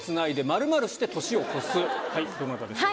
どなたでしょう？